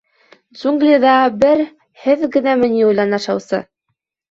— Джунглиҙа бер һеҙ генәме ни үлән ашаусы?